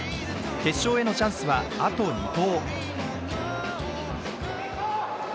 決勝へのチャンスはあと２投。